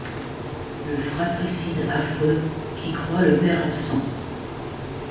Le fratricide affreux, qui croit le père absent